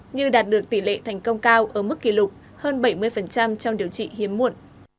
như đạt được tỷ lệ thành công cao ở mức kỷ lục hơn bảy mươi trong điều trị hiếm muộn